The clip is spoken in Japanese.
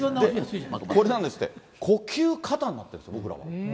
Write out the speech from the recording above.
これなんですって、呼吸過多になってるんですって、僕らは。